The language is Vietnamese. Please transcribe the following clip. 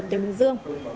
tỉnh bình dương